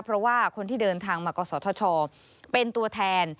เพราะว่าคนที่เดินทางมากศธชเป็นตัวแทน